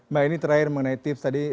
mbak ini terakhir mengenai tips tadi